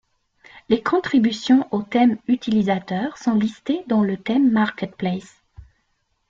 Les contributions aux thèmes utilisateur sont listées dans le Theme Marketplace.